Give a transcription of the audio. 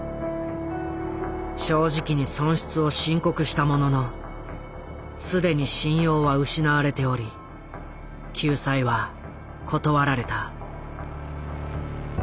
正直に損失を申告したものの既に信用は失われており救済は断られた。